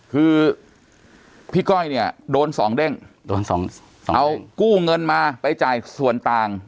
คือพี่ก้อยเนี่ยโดนสองเด้งโดนสองเอากู้เงินมาไปจ่ายส่วนต่าง